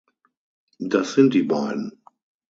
Das sind die beiden.